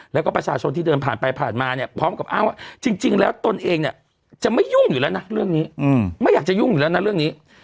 แล้วก็ประชาชนที่เดินผ่านไปผ่านมาพร้อมกับอ้างว่าจริงแล้วตนเองจะไม่ยุ่งอยู่แล้วนะเรื่องนี้